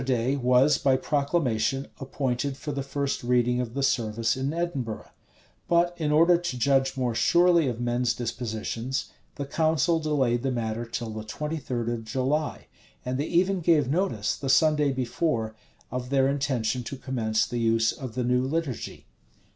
Easter day was, by proclamation, appointed for the first reading of the service in Edinburgh: but in order to judge more surely of men's dispositions, the council delayed the matter till the twenty third of July; and they even gave notice, the Sunday before, of their intention to commence the use of the new liturgy.